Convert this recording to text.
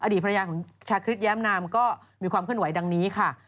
อดีตพระยาของชาคริสแย้มนามก็มีความขึ้นไหวดังนี้ค่ะ